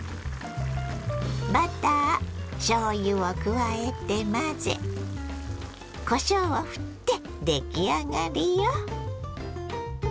バターしょうゆを加えて混ぜこしょうをふって出来上がりよ。